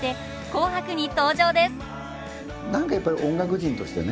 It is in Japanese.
何かやっぱり音楽人としてね